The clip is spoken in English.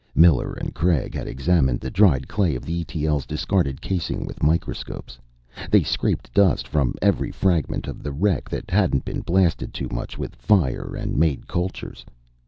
Miller and Craig had examined the dried clay of the E.T.L.'s discarded casing with microscopes. They scraped dust from every fragment of the wreck that hadn't been blasted too much with fire, and made cultures.